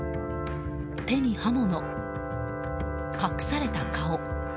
手に刃物、隠された顔。